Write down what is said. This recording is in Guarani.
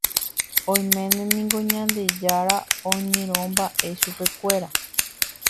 Oiméne niko Ñandejára oñyrõmba'e chupekuéra.